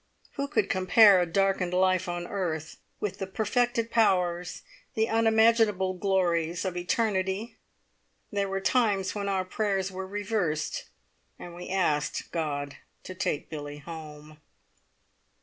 Who could compare a darkened life on earth with the perfected powers, the unimaginable glories of eternity? There were times when our prayers were reversed, and we asked God to take Billie home!